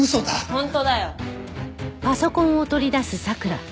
本当だよ。